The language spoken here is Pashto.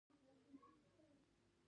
انګور د افغان ماشومانو د زده کړې موضوع ده.